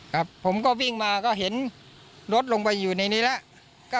ครับผมก็วิ่งมาก็เห็นรถลงไปอยู่ในนี้แล้ว